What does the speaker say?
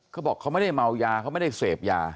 เขาบอกเขาไม่ได้เมายาเขาไม่ได้เสพยา